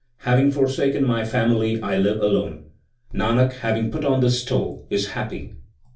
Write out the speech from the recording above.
Having forsaken my family I live alone Nanak having put on this stole is happy.